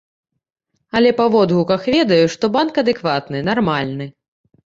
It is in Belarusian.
Але па водгуках ведаю, што банк адэкватны, нармальны.